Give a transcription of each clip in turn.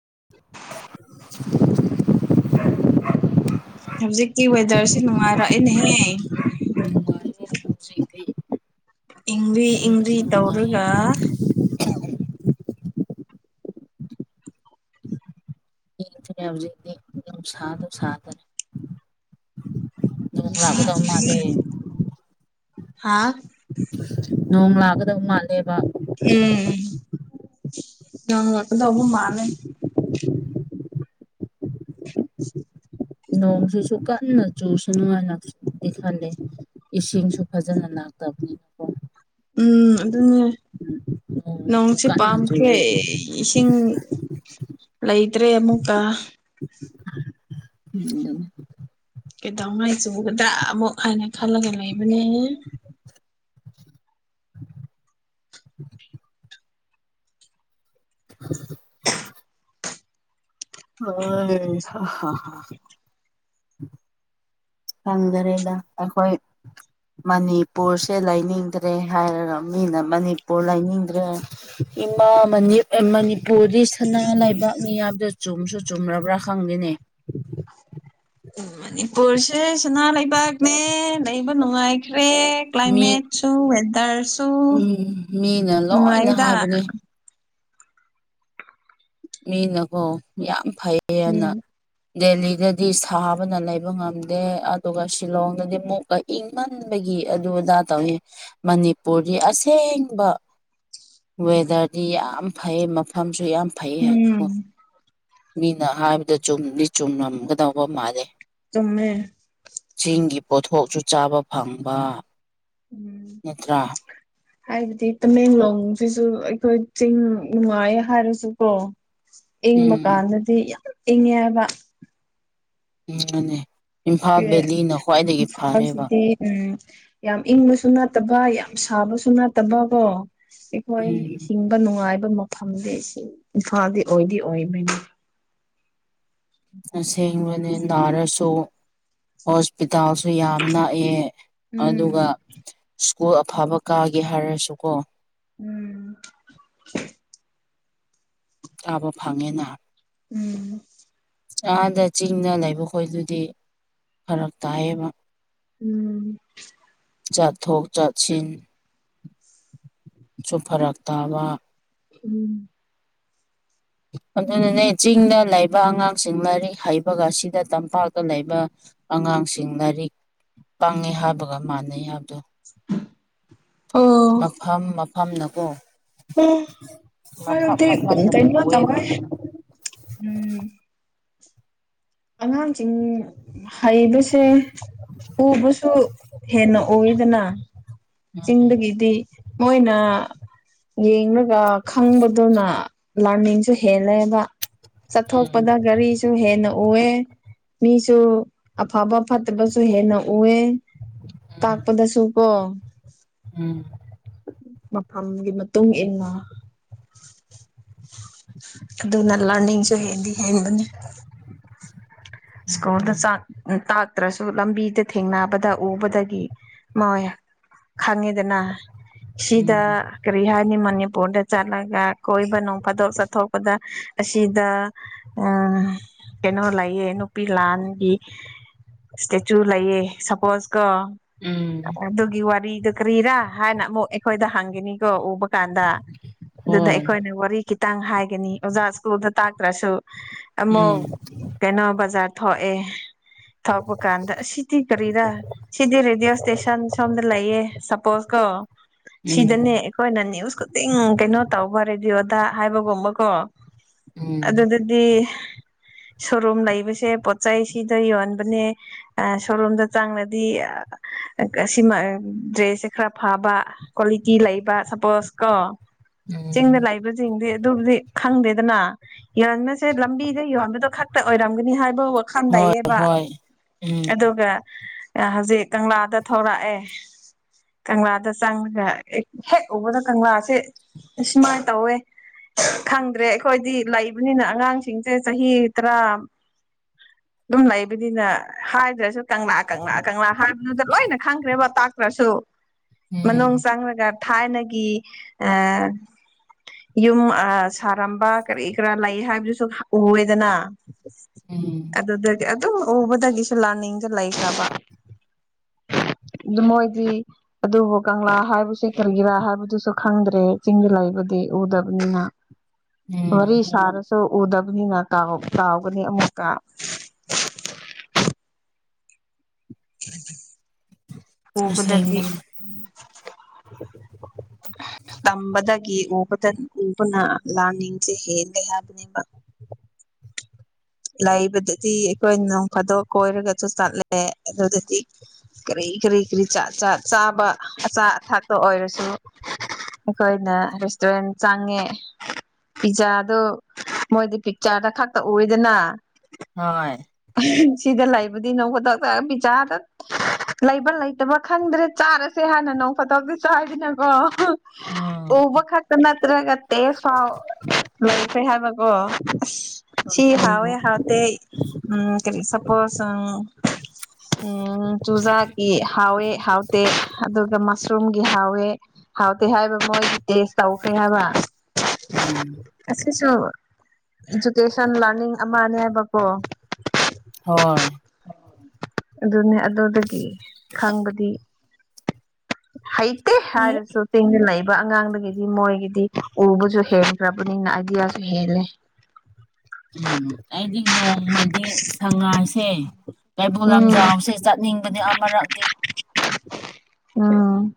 [unintelligible] ꯍꯧꯖꯤꯛꯀꯤ ꯋꯦꯗꯔꯁꯤꯦ ꯅꯨꯡꯉꯥꯏꯔꯛꯑꯦꯅꯦꯍꯦ ꯅꯨꯡꯉꯥꯏꯌꯦ ꯍꯧꯖꯤꯛꯇꯤ ꯏꯪ꯭ꯔꯤ ꯌꯥꯝꯅꯁꯨ ꯏꯪ꯭ꯔꯤ ꯅꯨꯡꯉꯥꯏꯌꯦ ꯇꯧꯔꯒ ꯦ ꯍꯧꯖꯤꯛꯇꯤ ꯑꯗꯨꯝ ꯁꯥꯗꯕ ꯁꯥꯗꯅꯦ ꯅꯣꯡ ꯂꯥꯛꯀꯗꯕ ꯃꯥꯜꯂꯦ ꯍꯥꯥ ꯅꯣꯡ ꯂꯥꯛꯒꯗꯕ ꯃꯥꯜꯂꯦꯕ ꯎꯝ ꯌꯥꯝ ꯉ ꯇꯕ ꯃꯥꯅꯦꯦ ꯅꯧꯁꯨ ꯁꯨ ꯀꯥꯟ ꯅ ꯆꯨꯁꯨ ꯈꯥꯟꯗꯦ ꯏꯁꯤꯡꯁꯨ ꯐꯖꯅ ꯂꯥꯛꯇꯕꯅꯤꯅ ꯎꯝ ꯑꯗꯨꯅꯦ ꯅꯣꯡꯁꯨ ꯅꯣꯡꯁꯨꯦ ꯀꯟꯅ ꯄꯥꯝꯈ꯭ꯔꯦ ꯆꯨꯔꯗꯤ ꯏꯁꯤꯡ ꯂꯩꯇ꯭ꯔꯦ ꯑꯃꯨꯛꯀ ꯗ ꯀꯩꯗꯧꯉꯥꯏ ꯆꯨꯒꯗ꯭ꯔꯥ ꯑꯃꯨꯛ ꯍꯥꯏꯅ ꯈꯜꯂꯒ ꯂꯩꯕꯅꯦ ꯎꯝ ꯍ ꯐꯪꯗꯔꯦꯗ ꯑꯩꯈꯣꯏ ꯃꯅꯤꯄꯨꯔꯁꯦ ꯂꯩꯅꯤꯡꯗ꯭ꯔꯦ ꯍꯥꯏꯔꯒ ꯃꯤꯅ ꯃꯅꯤꯄꯨꯔ ꯂꯩꯅꯤꯡꯗ꯭ꯔꯦ ꯏꯃꯥ ꯃꯅꯤꯄꯨꯔꯗꯤ ꯁꯅꯥ ꯂꯩꯕꯥꯛꯅꯤ ꯍꯥꯏꯕꯗ ꯆꯨꯝꯁꯨ ꯆꯨꯝꯔꯕ꯭ꯔꯥ ꯈꯪꯗꯦꯅꯦ ꯃꯅꯤꯄꯨꯔꯁꯦ ꯁꯅꯥ ꯂꯩꯕꯥꯛꯅꯦ ꯂꯩꯕ ꯅꯨꯡꯉꯥꯏꯈ꯭ꯔꯦ ꯃꯤ ꯀ꯭ꯂꯥꯏꯃꯦꯠ ꯁꯨꯋꯦꯗꯔꯁ ꯎꯝ ꯃꯤꯅ ꯂꯣꯏꯅ ꯍꯥꯏꯕꯅꯦ ꯃꯤꯅꯀꯣ ꯌꯥꯝ ꯐꯩꯑꯅ ꯎꯝ ꯗꯦꯜꯂꯤꯗꯗꯤ ꯁꯥꯕꯅ ꯂꯩꯕ ꯉꯝꯗꯦ ꯑꯗꯨꯒ ꯁꯤꯂꯣꯡꯗꯗꯤ ꯃꯨꯛ ꯏꯪꯃꯟꯕꯒꯤ ꯑꯗꯨ ꯑꯗꯥ ꯇꯧꯏ ꯃꯅꯤꯄꯨꯔꯗꯤ ꯑꯁꯦꯡꯕ ꯋꯦꯗꯔꯗꯤ ꯌꯥꯝ ꯐꯩ ꯃꯐꯝꯁꯨ ꯌꯥꯝ ꯐꯩ ꯎꯝ ꯍꯥꯏꯅꯀꯣ ꯃꯤꯅ ꯍꯥꯏꯕꯗ ꯆꯨꯝꯗꯤ ꯆꯨꯝꯔꯝꯒꯗꯧꯕ ꯃꯥꯜꯂꯦ ꯁꯃꯦ ꯆꯁꯤꯡꯒꯤꯒꯤ ꯄꯣꯠꯊꯣꯛꯁꯨ ꯆꯥꯕ ꯐꯪꯕ ꯎꯝ ꯅꯠꯇ꯭ꯔꯥ ꯍꯥꯏꯕꯗꯤ ꯇꯃꯦꯡꯂꯣꯡꯁꯤꯁꯨ ꯑꯩꯈꯣꯏ ꯆꯤꯡ ꯅꯨꯡꯉꯥꯏ ꯍꯥꯏꯔꯁꯨꯀꯣ ꯏꯪꯕ ꯎꯝ ꯀꯥꯟꯗꯗꯤ ꯏꯪꯉꯦ ꯍꯥꯏꯕ ꯎꯝꯅꯦ ꯏꯝꯐꯥꯜ ꯕꯦꯂꯤꯅ ꯈ꯭ꯋꯥꯏꯗꯒꯤ ꯐꯔꯦꯕ ꯏꯝꯐꯥꯜꯁꯤꯗꯤ ꯎꯝ ꯌꯥꯝ ꯏꯪꯕꯁꯨ ꯅꯠꯇꯕ ꯌꯥꯝ ꯁꯥꯕꯁꯨ ꯅꯠꯇꯕ ꯀꯣ ꯍꯣꯏ ꯎꯝ ꯍꯤꯡꯕ ꯅꯨꯡꯉꯥꯏꯕ ꯃꯐꯝꯗꯤ ꯏꯝꯐꯥꯜꯗꯤ ꯑꯣꯏꯗꯤ ꯑꯣꯏꯕꯅꯤ ꯃꯐꯝꯁꯦ ꯑꯁꯦꯡꯕꯅꯤ ꯅꯥꯔꯁꯨ ꯍꯣꯁꯄꯤꯇꯥꯜꯁꯨ ꯌꯥꯝ ꯅꯛꯑꯦ ꯎꯝ ꯑꯗꯨꯒ ꯁ꯭ꯀꯨꯜ ꯑꯐꯕ ꯀꯥꯒꯦ ꯍꯥꯏꯔꯁꯨꯀꯣ ꯎꯝ ꯆꯥꯕ ꯐꯪꯉꯦꯅ ꯎꯝ ꯑꯥꯗ ꯆꯤꯡꯗ ꯂꯩꯕ ꯈꯣꯣꯏꯗꯨꯗꯤ ꯐꯔꯛ ꯇꯥꯏꯌꯦꯕ ꯎꯝ ꯆꯥ ꯊꯣꯛ ꯆꯥꯁꯤꯟ ꯁꯨꯝ ꯐꯔꯛ ꯇꯥꯕ ꯎꯝ ꯑꯗꯨꯅꯅꯦ ꯆꯤꯡꯗ ꯂꯩꯕ ꯑꯉꯥꯡꯁꯤꯡ ꯂꯥꯏꯔꯤꯛ ꯍꯩꯕꯒ ꯑꯁꯤꯗ ꯇꯝꯄꯥꯛꯇ ꯂꯩꯕ ꯑꯉꯥꯡꯁꯤꯡ ꯂꯥꯏꯔꯤꯛ ꯄꯥꯡꯉꯦ ꯍꯥꯏꯕꯒ ꯃꯥꯟꯅꯩ ꯍꯥꯏꯕꯗꯣ ꯎ [inaudible] ꯃꯐꯝ ꯃꯐꯝꯅꯀꯣ ꯎ ꯍ ꯃꯐꯝ ꯍꯧꯗꯤ ꯃꯐꯝꯅ ꯀꯩꯅ ꯄꯨꯑꯦꯕ ꯀꯧꯣꯏ ꯎꯝ ꯑ ꯆꯤꯡ ꯍꯩꯕꯁꯦ ꯎꯕꯁꯨ ꯍꯦꯟꯅ ꯑꯣꯏꯗꯅ ꯆꯤꯡꯗꯒꯤꯗꯤ ꯃꯣꯏꯅ ꯌꯦꯡꯂꯒ ꯈꯪꯕꯗꯨꯅ ꯂꯥꯔꯅꯤꯡꯁꯨ ꯍꯦꯜꯂꯦꯕ ꯎꯝ ꯆꯠꯊꯣꯛꯄꯗ ꯔꯤ ꯁꯨ ꯍꯦꯟꯅ ꯎꯑꯦ ꯃꯤꯁꯨ ꯑꯐꯕ ꯐꯠꯇꯕꯁꯨ ꯍꯦꯟꯅ ꯎꯑꯦ ꯇꯥꯛꯄꯗꯁꯨꯨꯀꯣ ꯎꯝ ꯃꯐꯝꯒꯤ ꯃꯇꯨꯡ ꯏꯟꯅ ꯑꯗꯨꯅ ꯂꯔꯅꯤꯡꯁꯨ ꯍꯦꯟꯗꯤ ꯍꯦꯟꯕꯅꯤ ꯁ꯭ꯀꯨꯜꯗ ꯆ ꯎ ꯇꯥꯛꯇ꯭ꯔꯁꯨ ꯂꯝꯕꯤꯗ ꯊꯦꯡꯅꯕꯗ ꯎꯕꯗꯒꯤ ꯃꯥꯋꯦ ꯈꯪꯉꯤꯗꯅ ꯎꯝ ꯁꯤꯗ ꯀꯔꯤ ꯍꯥꯏꯅꯤ ꯃꯅꯤꯄꯨꯔꯗ ꯆꯠꯂꯒ ꯀꯣꯏꯕꯅꯣ ꯐꯥꯗꯣꯛ ꯆꯠꯊꯣꯛ ꯗ ꯑꯁꯤꯗ ꯎꯝ ꯀꯩꯅꯣ ꯂꯩꯌꯦ ꯅꯨꯄꯤ ꯂꯥꯟꯒꯤ ꯏꯁꯇꯦꯆꯨ ꯂꯩꯌꯦ ꯁꯄꯣꯁ ꯀꯣ ꯎꯝ ꯎꯝ ꯑꯗꯨꯒꯤ ꯋꯥꯔꯤꯗ ꯆ ꯀ꯭ꯔꯤꯔꯥ ꯍꯥꯏꯅ ꯑꯃꯨꯛ ꯑꯩꯈꯣꯏꯗ ꯍꯪꯈꯤꯅꯤꯀꯣ ꯎꯕ ꯀꯥꯟꯗ ꯑꯗꯨꯗ ꯍꯣꯏ ꯑꯩꯈꯣꯏꯅ ꯋꯥꯔꯤ ꯈꯤꯇꯪ ꯍꯥꯏꯒꯅꯤ ꯑꯣꯖꯥ ꯁ꯭ꯀꯨꯜꯗ ꯇꯥꯛꯇ꯭ꯔꯁꯨ ꯑꯃꯨꯛ ꯎꯝ ꯀꯩꯅꯣ ꯕꯖꯥꯔ ꯊꯣꯛꯑꯦ ꯊꯄ ꯀꯥꯟꯗ ꯁꯤꯗꯤ ꯀꯔꯤꯔ ꯁꯤꯗꯤ ꯔꯦꯗꯤꯑꯣ ꯏꯁꯇꯦꯁꯟ ꯁꯣꯝꯗ ꯂꯩꯌꯦ ꯁꯄꯣꯁ ꯀ ꯎꯝ ꯁꯤꯗꯅꯦ ꯑꯩꯈꯣꯏꯅ ꯅꯅꯤꯌꯨꯁ ꯈꯨꯗꯤꯡ ꯀꯩꯅꯣ ꯇꯧꯕ ꯔꯦꯗꯤꯑꯣꯗ ꯍꯥꯏꯕꯒꯨꯝꯕꯀꯣ ꯎꯝ ꯑꯗꯨ ꯍꯥꯏꯗꯤ ꯁꯣꯔꯨꯝ ꯂꯩꯕꯁꯦ ꯄꯣꯠꯆꯩ ꯁꯤꯗ ꯌꯣꯟꯕꯅꯦ ꯁꯣꯔꯣꯔꯣꯝꯗ ꯆꯥꯡꯅꯗꯤ ꯑꯁꯤꯃ ꯗ꯭ꯔꯦꯁꯁꯦ ꯈꯔ ꯐꯥꯕ ꯀ꯭ꯋꯥꯂꯤꯇꯤ ꯂꯩꯕ ꯁꯄꯣꯁ ꯀꯣ ꯎꯝ ꯆꯤꯡꯗ ꯂꯩꯕꯁꯤꯡꯗꯤ ꯑꯗꯨꯕꯨꯗꯤ ꯈꯪꯗꯦꯗꯅ ꯌꯟꯕꯁꯦ ꯂꯝꯕꯤꯗ ꯌꯣꯟꯕꯗꯣ ꯈꯛꯇ ꯑꯣꯏꯔꯝꯒꯅꯤ ꯍꯥꯏꯕ ꯍꯣꯏ ꯍꯟꯗꯩꯌꯦꯕ ꯍꯣꯏ ꯎꯝ ꯑꯗꯨꯒ ꯍꯧꯖꯤꯛ ꯀꯪꯂꯥꯗ ꯊꯧꯔꯛꯑꯦ ꯀꯪꯂꯥꯗ ꯆꯪꯉꯒ ꯍꯦꯛ ꯎꯕꯗ ꯀꯪꯂꯥꯁꯦ ꯁꯃꯥꯏꯅ ꯇꯧꯋꯦ ꯐꯪꯗ꯭ꯔꯦ ꯑꯩꯈꯣꯏꯗꯤ ꯂꯩꯕꯅꯤꯅ ꯑꯉꯥꯡꯁꯤꯡꯁꯦ ꯆꯍꯤ ꯇꯔꯥ [inaudible] ꯑꯗꯨꯝ ꯂꯩꯕꯅꯤꯅꯦ ꯍꯥꯏꯗ꯭ꯔꯁꯨ ꯀꯪꯂꯥ ꯀꯪꯂꯥ ꯀꯪꯂꯥ ꯍꯥꯏꯕꯗꯨꯗ ꯂꯣꯏꯅ ꯈꯪꯈ꯭ꯔꯦꯕ ꯇꯥꯛꯇ꯭ꯔꯁꯨ ꯎꯝ ꯃꯅꯨꯡ ꯆꯪꯒ ꯊꯥꯏꯅꯒꯤ ꯑ ꯌꯨꯝ ꯁꯥꯔꯝꯕ ꯀꯔꯤ ꯀꯔꯥ ꯂꯩ ꯍꯥꯏꯕꯗꯨꯁꯨ ꯎꯑꯦꯗꯅ ꯎꯝ ꯑꯗꯨꯗꯒꯤ ꯑꯗꯨꯝ ꯎꯕꯗꯒꯤꯁꯨ ꯂꯥꯟꯅꯤꯡꯁ ꯂꯩꯇꯕ ꯑꯗꯨ ꯃꯣꯏꯗꯤ ꯑꯗꯨꯕꯨ ꯀꯪꯂꯥ ꯍꯥꯏꯕꯁꯦ ꯀꯔꯤꯒꯤꯔꯥ ꯍꯥꯏꯕꯗꯨꯁꯨ ꯈꯪꯗ꯭ꯔꯦ ꯆꯤꯡꯗ ꯂꯩꯕꯗꯤ ꯎꯗꯕꯅꯤꯅ ꯎꯝ ꯋꯥꯔꯤ ꯁꯥꯔꯁꯨ ꯎꯗꯕꯅꯤꯅ ꯀꯥꯎꯒꯅꯤ ꯑꯃꯨꯛꯀ ꯑꯩ ꯁꯕ ꯇꯝꯕꯗꯒꯤꯕꯗ ꯎꯕꯅ ꯂꯥꯟꯅꯤꯡꯁꯦ ꯍꯦꯟꯒꯦ ꯍꯥꯏꯕꯅꯦꯕ ꯂꯩꯕꯗꯗꯤ ꯑꯩꯈꯣꯏ ꯅꯣꯡ ꯐꯥꯗꯣꯛ ꯀꯣꯏꯔꯒꯁꯨ ꯆꯠꯂꯦ ꯑꯗꯨꯗꯗꯤ ꯀꯔꯤ ꯀꯔꯤ ꯀꯔꯤ ꯆꯥꯕ ꯑꯆꯥ ꯑꯊꯛꯄ ꯑꯣꯏꯔꯁꯨ ꯑꯩꯈꯣꯏꯅ ꯔꯦꯁꯇꯨꯔꯦꯟ ꯆꯥꯡꯉꯦ ꯄꯤꯖꯥꯗꯨ ꯃꯣꯏꯗꯤ ꯄꯤꯛꯆꯥꯔꯗ ꯈꯛꯇ ꯑꯣꯏꯗꯅ ꯍꯣꯏ ꯁꯤꯗ ꯂꯩꯕꯨꯗꯤ ꯅꯣ ꯈꯨꯗ ꯆ ꯄꯤꯖꯥꯗ ꯂꯩꯕ ꯂꯩꯇꯕ ꯈꯪꯗ꯭ꯔꯦ ꯆꯥꯔꯁꯦ ꯍꯥꯟꯅ ꯅꯣꯡ ꯐꯠꯇꯥꯎꯗꯤ ꯆꯥꯗꯅꯀꯣ [unintelligible] ꯎꯕ ꯈꯛꯇ ꯅꯠꯇ꯭ꯔꯒ ꯇꯦ ꯐꯥꯎ ꯂꯇꯦ ꯍꯥꯏꯕꯀꯣ ꯑꯁ ꯁꯤꯤ ꯍꯋꯦ ꯑꯁꯦꯡꯕ ꯍꯥꯎꯇ ꯎꯝ ꯀꯔꯤ ꯁꯄꯣꯁ ꯎ ꯎꯝ ꯇꯨꯖꯥꯀꯤ ꯍꯥꯎꯋꯦ ꯍꯥꯎꯇꯦ ꯑꯗꯨꯒ ꯃꯁꯔꯨꯝꯒꯤ ꯍꯥꯎꯋꯦ ꯍꯥꯎꯇꯦ ꯍꯥꯏꯕ ꯃꯣꯏ ꯑꯦꯁ ꯇꯧꯈ꯭ꯔꯦ ꯍꯥꯏꯕ ꯎꯝ ꯑꯁꯤꯁꯨ ꯏꯗꯨꯀꯦꯁꯟ ꯂꯥꯔꯅꯤꯡ ꯑꯃꯅꯦꯕꯀꯣ ꯍꯣꯏ ꯑꯗꯨꯅꯦ ꯑꯗꯨꯗꯒꯤ ꯈꯪꯕꯗꯤ [inaudible] ꯍꯩꯇꯦ ꯍꯥꯏꯔꯁꯨ ꯆꯤꯡꯅ ꯂꯛꯏꯕ ꯑꯉꯥꯡꯗꯒꯤꯗꯤ ꯃꯣꯏꯒꯤꯗꯤ ꯎꯕꯁꯨ ꯍꯦ ꯕꯅꯤꯅ ꯑꯥꯏꯗꯤꯌꯥꯁꯨ ꯍꯦꯜꯂꯦ ꯎꯝ ꯑꯩꯗꯤ ꯅꯣꯡꯃꯗꯤ ꯁꯉꯥꯏꯁꯦ ꯀꯩꯕꯨꯜ ꯎꯝ ꯂꯝꯖꯥꯎꯁꯦ ꯆꯠꯅꯤꯡꯕꯅꯦ ꯑꯃꯔꯛꯇꯗꯤ ꯎꯝ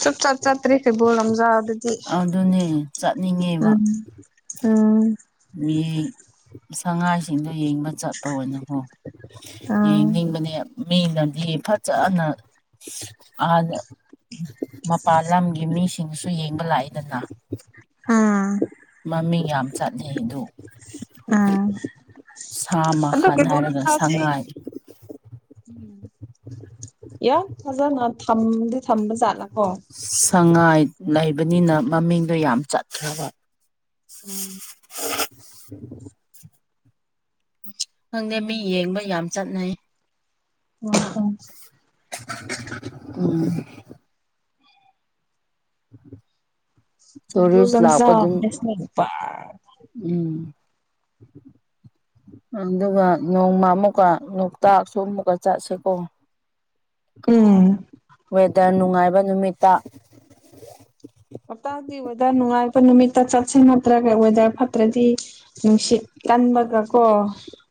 ꯆꯞ ꯆꯞ ꯆꯥꯇꯔꯈꯦ ꯣꯂꯝꯖꯗ ꯑꯗꯨꯅꯦ ꯆꯠꯅꯤꯡꯉꯦꯕ ꯎꯝ ꯎꯝ ꯃꯤꯡ ꯁꯉꯥꯏꯁꯤꯡꯗꯣ ꯌꯦꯡꯕ ꯆꯠꯄ ꯑꯣꯏꯅꯀꯣ ꯎꯝ ꯌꯦꯡꯅꯤꯡꯕꯅꯦ ꯃꯤꯅꯗꯤ ꯐꯖꯅ ꯑ ꯃꯄꯥꯥꯟ ꯂꯝꯒꯤ ꯃꯤꯁꯤꯡꯁꯨ ꯌꯦꯡꯕ ꯂꯥꯛꯏꯗꯅ ꯍꯥꯥ ꯃꯃꯤꯡ ꯌꯥꯝ ꯆꯠꯅꯩ ꯑꯗꯨ ꯎꯝ ꯁꯥ ꯑ ꯃꯈꯜ ꯍꯥꯏꯔꯒ ꯀꯣꯁꯦ ꯁꯉꯥꯏ ꯎꯝ [unintelligible] ꯌꯥꯝ ꯐꯖꯅ ꯊꯝꯗꯤ ꯊꯝꯕ ꯆꯥꯠꯂꯀꯣ ꯁꯉꯥꯏ ꯂꯩꯕꯅꯤꯅ ꯃꯃꯤꯡꯗꯣ ꯌꯥꯝ ꯆꯠꯈ꯭ꯔꯕ ꯎꯝ [unintelligible] ꯈꯪꯗꯦ ꯃꯤ ꯌꯦꯡꯕ ꯌꯥꯝ ꯆꯠꯅꯩ [unintelligible] ꯑꯣ ꯀꯩꯕꯨꯜ ꯆꯔꯤꯁ ꯂꯄ ꯂꯝꯖꯥꯎ ꯑꯗꯨꯨꯝ [unintelligible] ꯎꯝ ꯑꯗꯨꯒ ꯅꯣꯡꯃ ꯑꯃꯨꯛꯀ ꯂꯣꯛꯇꯥꯛꯁꯨ ꯑꯃꯨꯛꯀ ꯆꯠꯁꯤꯀꯣ ꯎꯝ ꯋꯦꯗꯔ ꯅꯨꯡꯉꯥꯏꯕ ꯅꯨꯃꯤꯠꯇ ꯍꯇꯗꯤ ꯋꯦꯗꯔ ꯅꯨꯡꯉꯥꯏꯕ ꯅꯨꯃꯤꯠꯇ ꯆꯠꯁꯤꯟ ꯅꯠꯇ꯭ꯔꯒ ꯋꯦꯗꯔ ꯐꯠꯇ꯭ꯔꯗꯤ ꯅꯨꯡꯁꯤꯠ ꯀꯟꯕꯒ ꯀꯣ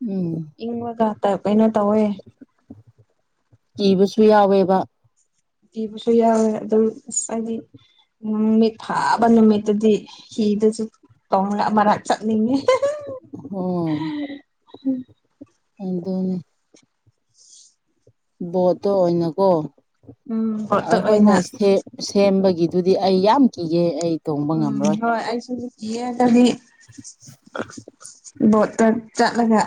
ꯎꯝ ꯏꯪꯕꯒ ꯀꯩꯅꯣ ꯇꯧꯋꯦ ꯀꯤꯕꯁꯨ ꯌꯥꯎꯋꯦꯕ ꯀꯤꯕꯁꯨ ꯌꯥꯎꯋꯦ ꯑꯗꯨꯝ ꯑꯁ ꯍꯥꯏꯗꯤ ꯅꯨꯃꯤꯠ ꯐꯥꯕ ꯅꯨꯃꯤꯠꯇꯨꯗꯤ ꯍꯤꯗꯁꯨ ꯇꯣꯡ ꯃꯔꯛ ꯆꯠꯅꯤꯡꯉꯦ ꯑꯗꯣꯅꯤ ꯕꯣꯠꯇꯣ ꯑꯣꯏꯅꯀꯣ ꯎꯝ ꯕꯣꯠꯇ ꯑꯣꯏꯅ ꯑꯩꯈꯣꯏꯅꯦꯛ ꯁꯦꯝꯕꯒꯤꯗꯨꯗꯤ ꯑꯩ ꯌꯥꯝ ꯀꯤꯒꯦ ꯑꯩ ꯇꯣꯡꯕ ꯎꯝ ꯉꯝꯔꯣꯏ ꯍꯣꯏ ꯑꯩꯁꯨ ꯌꯦꯔꯒꯗꯤ ꯕꯣꯠꯇ ꯆꯠꯂꯒ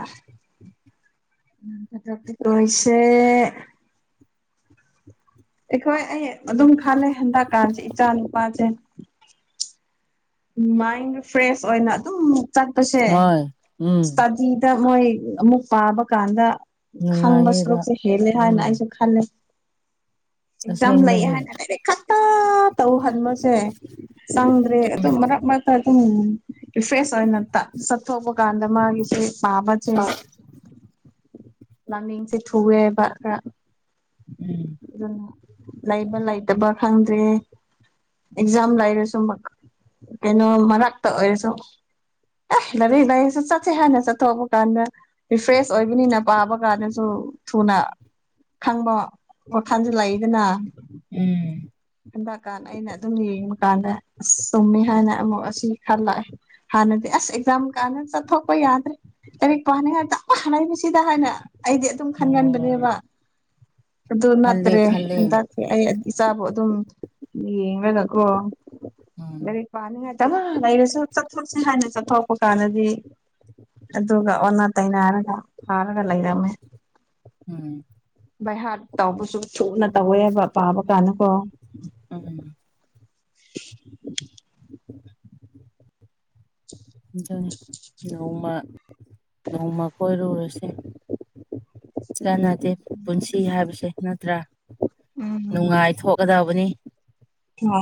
ꯄꯩꯁꯦ ꯑꯩꯈꯣꯏ ꯑꯩ ꯑꯗꯨꯝ ꯈꯜꯂꯦ ꯍꯟꯗꯛꯀꯥꯟꯁꯤꯦ ꯏꯆꯥ ꯅꯨꯄꯥꯁꯦ ꯃꯥꯏꯟ ꯐ꯭ꯔꯦꯁ ꯑꯣꯏꯅ ꯑꯗꯨꯝ ꯆꯠꯄꯁꯦ ꯍꯣꯏ ꯎꯝ ꯏꯁꯇꯗꯤ ꯃꯣꯏ ꯑꯃꯨꯛ ꯄꯥꯕ ꯀꯥꯟꯗ ꯈꯪꯕ ꯅꯨꯡꯉꯥꯏꯌꯦꯕ ꯁꯔꯨꯛꯁꯨꯦ ꯍꯦꯜꯂꯦ ꯍꯥꯏꯅ ꯎꯝ ꯑꯩꯁꯨ ꯈꯜꯂꯦ ꯑꯦꯛꯖꯥꯝ ꯂꯩ ꯑꯁꯦꯡꯕꯅꯤ ꯍꯥꯏꯅ ꯂꯩꯔ ꯈꯛꯇ ꯇꯧꯍꯟꯕꯁꯦ ꯆꯪꯗ꯭ꯔꯦ ꯎꯝ ꯃ ꯃ ꯇ ꯑꯗꯨꯝ ꯏꯐꯦꯁ ꯑꯣꯏꯅ ꯆꯠꯊꯣꯛꯄ ꯀꯥꯟꯗ ꯃꯥꯒꯤꯁꯦ ꯄꯥꯕꯁꯦ ꯂꯃꯤꯡꯁꯦ ꯊꯨꯑꯦ ꯍꯥꯏꯕ ꯈꯔ ꯎꯝ ꯑꯗꯨꯅ ꯂꯩꯕ ꯂꯩꯇꯕ ꯈꯪꯗ꯭ꯔꯦ ꯑꯦꯛꯖꯥꯝ ꯂꯩꯔꯁꯨ ꯀꯩꯅꯣ ꯃꯅꯥꯥꯛꯇ ꯑꯣꯏꯔꯁꯨꯣ ꯑꯦ ꯂꯥꯏꯔꯤꯛ ꯂꯥꯏꯔꯤꯛꯁꯨ ꯆꯠꯁꯦ ꯍꯥꯏꯥꯟꯅ ꯆꯠꯊꯣꯛꯄ ꯀꯥꯟꯗ ꯔꯤꯐ꯭ꯔꯦꯁ ꯑꯣꯏꯕꯅꯤꯅ ꯄꯥꯕ ꯀꯥꯟꯗꯁꯨ ꯊꯨꯅ ꯈꯪꯕ ꯋꯥꯜꯁꯤ ꯂꯥꯛꯏꯗꯅ ꯎꯝ ꯍꯟꯗꯛꯀꯥꯟ ꯑꯩꯅ ꯑꯗꯨꯝ ꯌꯦꯡꯕ ꯀꯥꯟꯗ ꯑꯁ ꯆꯨꯝꯃꯤ ꯍꯥꯏꯅ ꯑꯃꯨꯛ ꯑꯁꯤ ꯈꯜꯂꯛꯑꯦ ꯍꯥꯟꯅꯗꯤ ꯑꯁ ꯑꯦꯛꯖꯥꯝ ꯀꯥꯟꯅ ꯆꯠꯊꯣꯛꯄ ꯌꯥꯗ꯭ꯔꯦ ꯀꯔꯤꯛ ꯄꯥꯅꯦ ꯍꯥꯏꯛꯇ ꯍꯅꯕꯁꯤꯗ ꯍꯥꯏꯅ ꯑꯩꯗꯤ ꯑꯗꯨꯝ ꯍꯣꯏ ꯈꯟꯒꯟꯕꯅꯦꯕ ꯑꯗꯨ ꯈꯜꯂꯦ ꯅꯠꯇ꯭ꯔꯦ ꯈꯜꯂꯦ ꯍꯟꯗꯛ ꯑꯩ ꯏꯆꯥꯕꯨ ꯑꯗꯨꯝ ꯌꯦꯡꯂꯡꯒꯀ꯭ꯔꯣ ꯎꯝ ꯒꯥꯔꯤꯛ ꯄꯥꯅꯤꯡꯉꯥꯏꯇ ꯂꯩꯔꯁꯨ ꯆꯠꯊꯣꯛꯁꯤ ꯍꯥꯏꯅ ꯆꯠꯊꯣꯔꯛꯄ ꯀꯥꯟꯗꯗꯤ ꯑꯗꯨꯒ ꯑꯣꯟꯅ ꯇꯩꯅꯩꯅꯔꯒ ꯐꯥꯔꯒ ꯂꯩꯔꯝꯃꯦ ꯎꯝ ꯚꯏ ꯍꯥꯔꯠ ꯇꯧꯕꯁꯨ ꯊꯨꯅ ꯇꯧꯋꯦ ꯍꯥꯏꯕ ꯄꯥꯕ ꯀꯥꯟꯗꯀꯣ ꯎꯝ ꯅꯣꯡꯃ ꯅꯣꯡꯃ ꯀꯣꯏꯔꯨꯔꯁꯦ ꯆꯥꯟꯅꯗꯦ ꯄꯨꯟꯁꯤ ꯍꯥꯏꯕꯁꯦ ꯅꯠꯇ꯭ꯔꯥ ꯎꯝꯝ ꯅꯨꯡꯉꯥꯏꯊꯣꯛꯀꯗꯕꯅꯤ ꯍ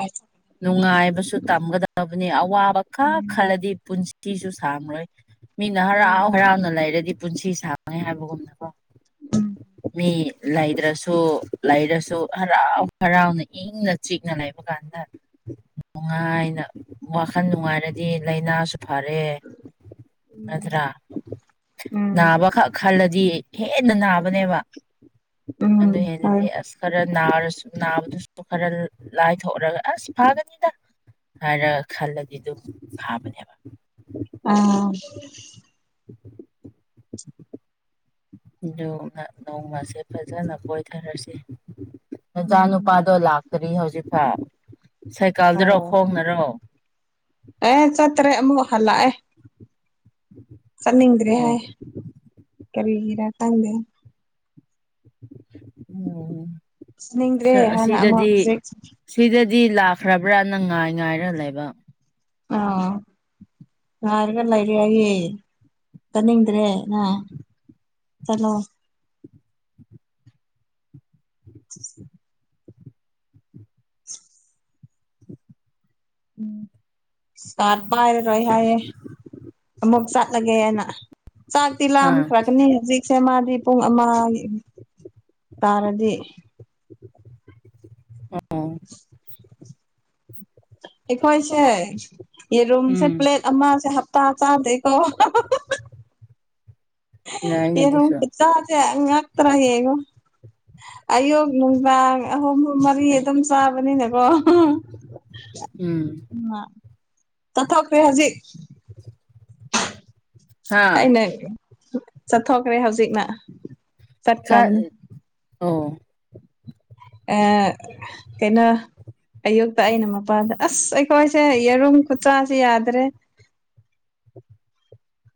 ꯅꯨꯡꯉꯥꯏꯕꯁꯨ ꯇꯝꯒꯗꯕꯅꯤ ꯑꯋꯥꯕ ꯈꯔ ꯎꯝ ꯈꯔꯗꯤ ꯄꯨꯟꯁꯤ ꯁꯤꯤꯁꯨ ꯁꯥꯡꯔꯣꯏ ꯃꯤꯅ ꯎꯝ ꯍꯔꯥꯎ ꯍꯔꯥꯎꯅ ꯂꯩꯔꯗꯤ ꯄꯨꯟꯁꯤ ꯁꯥꯡ ꯍꯥꯏꯕꯒꯨꯝꯅꯀꯣ ꯃꯤ ꯂꯩꯗ꯭ꯔꯁꯨ ꯂꯩꯔꯁꯨ ꯍꯔꯥꯎ ꯍꯔꯥꯎꯅ ꯏꯪꯅ ꯆꯤꯛꯅ ꯂꯩꯕ ꯀꯥꯟꯗ ꯅꯨꯡꯉꯥꯏꯅ ꯋꯥꯈꯜ ꯅꯨꯡꯉꯥꯏꯔꯗꯤ ꯂꯥꯏꯅꯥꯁꯨ ꯐꯔꯦ ꯎꯝ ꯅꯠꯇ꯭ꯔꯥ ꯎꯝ ꯅꯥꯕꯈꯛ ꯈꯜꯂꯗꯤ ꯍꯦꯟꯅ ꯅꯥꯕꯅꯦꯕ ꯎꯝ ꯑꯗꯨ ꯍꯣꯏ ꯍꯦꯟꯅꯗꯤ ꯑꯁ ꯈꯔ ꯅꯥꯔꯁꯨ ꯅꯥꯕꯗꯨꯁꯨ ꯈꯔ ꯂꯥꯏꯊꯣꯛꯔꯒ ꯑꯁ ꯐꯥꯒꯅꯤꯗ ꯍꯥꯏꯔ ꯈꯜꯂꯗꯤ ꯑꯗꯨꯝ ꯐꯥꯕꯅꯦꯕ ꯑꯥ ꯅꯣꯡꯃꯁꯦ ꯐꯖꯅ ꯀꯣꯏꯊꯔꯁꯤ ꯅꯆꯥ ꯎꯝ ꯅꯨꯄꯥꯗꯣ ꯂꯥꯛꯇꯔꯤ ꯍꯧꯖꯤꯛꯐꯥꯎ ꯁꯥꯏꯀꯥꯜꯗꯔꯣ ꯑꯣ ꯈꯣꯡꯅꯔꯣ ꯑꯦ ꯆꯠꯇꯔꯦ ꯑꯃꯨꯛ ꯍꯥꯜꯂꯛ ꯑꯦ ꯆꯠꯅꯤꯡꯗ꯭ꯔꯦ ꯑꯣ ꯍꯥꯏ ꯀꯔꯤꯒꯤꯔꯥ ꯇꯪꯗꯦ ꯎꯝ ꯆꯠꯅꯤꯡꯗꯔꯦ ꯍꯥꯏꯅ ꯑꯃꯨꯛ ꯑꯁꯤꯗꯗꯤ ꯍꯧꯖꯤꯛ ꯁꯤꯗꯗꯤ ꯂꯥꯛꯈ꯭ꯔꯕ꯭ꯔ ꯅꯪ ꯉꯥꯏ ꯉꯥꯏꯔ ꯂꯩꯕ ꯑꯥ ꯉꯥꯏꯔꯒ ꯂꯩꯔꯦ ꯍꯥꯏꯌꯦ ꯆꯠꯅꯤꯡꯗ꯭ꯔꯦ ꯅ ꯆꯠꯂꯣ ꯎꯝ ꯀ ꯀꯥꯔꯠ ꯄꯥꯏꯔꯔꯣꯏ ꯍꯥꯏꯌꯦꯦ ꯑꯃꯨꯛ ꯆꯠꯂꯒꯦ ꯍꯥꯏꯅ ꯆꯥꯥꯛꯇꯤ ꯑꯥ ꯂꯥꯝꯈ꯭ꯔꯕꯅꯤ ꯍꯧꯖꯤꯛ ꯁꯦ ꯃꯥꯗꯤ ꯄꯨꯡ ꯑꯃ ꯇꯥꯔꯗꯤ ꯑꯣ ꯑꯩꯈꯣꯏꯁꯦ ꯌꯦꯔꯨꯝꯁꯦ ꯎꯝ ꯄ꯭ꯂꯦꯠ ꯑꯃꯁꯦ ꯍꯞꯇꯥ ꯆꯥꯗꯦꯀꯣ ꯌꯥꯏꯅꯦ ꯌꯦꯔꯨꯝ ꯑꯗꯨꯁꯨ ꯈꯨꯆꯥꯁꯦ ꯉꯥꯛꯇꯔ ꯌꯦꯡꯉꯣ ꯑꯌꯨꯛ ꯅꯨꯡꯗꯥꯡ ꯑꯍꯨꯝ ꯃꯔꯤ ꯑꯗꯨꯝ ꯆꯥꯕꯅꯤꯅꯀꯣ ꯎꯝ ꯆꯥꯊꯣꯛꯈꯔꯦ ꯍꯧꯖꯤꯛ ꯍ ꯑꯩꯅ ꯆꯊꯣꯛꯈ꯭ꯔꯦ ꯍꯧꯖꯤꯛꯅ ꯆꯥꯛ ꯆꯠꯈ꯭ꯔꯕꯅꯤ ꯀꯩꯅꯣ ꯑꯌꯨꯛꯇ ꯑꯩꯅ ꯃꯄꯥꯗ ꯑꯁ ꯑꯩꯈꯣꯏꯁꯦ ꯌꯦꯔꯨꯝ ꯈꯨꯆꯥꯁꯦ ꯌꯥꯗ꯭ꯔꯦ